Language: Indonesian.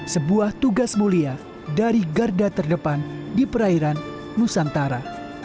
sebuah tugas mulia dari garda terdepan di perairan nusantara